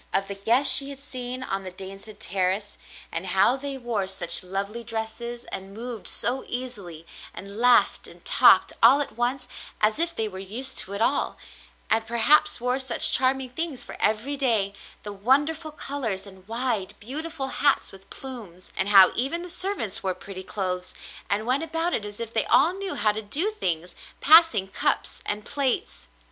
Of the guests she had seen on the Daneshead terrace and how they wore such lovely dresses and moved so easily and laughed and talked all at once, as if they were used to it all, and perhaps wore such charming things for every day — the wonderful colors and wide, beautiful hats with plumes — and how even the servants wore pretty clothes and went about as if they all knew how to do things, passing cups and plates.